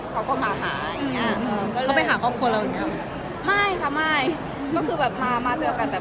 เข้าไปหาครอบครัวแล้วอย่างนี้